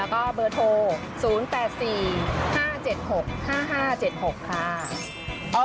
แล้วก็เบอร์โทร๐๘๔๕๗๖๕๕๗๖ค่ะ